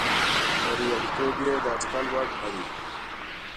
بریالیتوب یې د اټکل وړ نه دی.